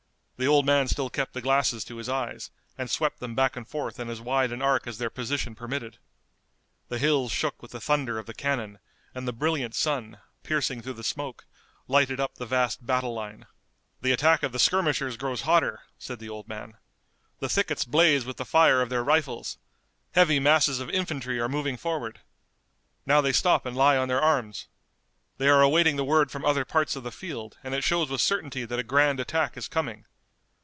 The old man still kept the glasses to his eyes, and swept them back and forth in as wide an arc as their position permitted. The hills shook with the thunder of the cannon, and the brilliant sun, piercing through the smoke, lighted up the vast battle line. "The attack of the skirmishers grows hotter," said the old man. "The thickets blaze with the fire of their rifles. Heavy masses of infantry are moving forward. Now they stop and lie on their arms. They are awaiting the word from other parts of the field, and it shows with certainty that a grand attack is coming.